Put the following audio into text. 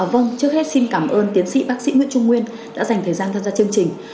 vâng trước hết xin cảm ơn tiến sĩ bác sĩ nguyễn trung nguyên đã dành thời gian tham gia chương trình